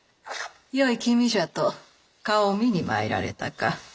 よい気味じゃと顔を見に参られたか。